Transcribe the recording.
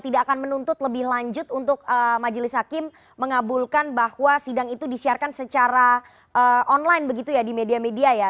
tidak akan menuntut lebih lanjut untuk majelis hakim mengabulkan bahwa sidang itu disiarkan secara online begitu ya di media media ya